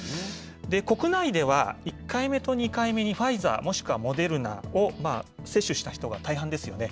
国内では、１回目と２回目にファイザー、もしくはモデルナを接種した人が大半ですよね。